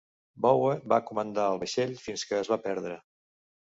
Vowe va comandar el vaixell fins que es va perdre.